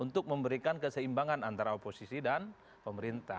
untuk memberikan keseimbangan antara oposisi dan pemerintah